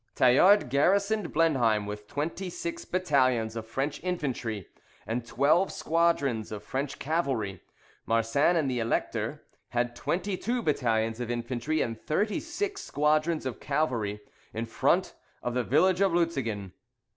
Tallard garrisoned Blenheim with twenty six battalions of French infantry, and twelve squadrons of French cavalry. Marsin and the Elector had twenty two battalions of infantry, and thirty six squadrons of cavalry in front of the village of Lutzingen.